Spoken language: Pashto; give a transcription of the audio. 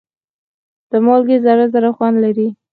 د مالګې ذره ذره خوند لري.